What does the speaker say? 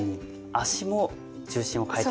足も重心を変えていく。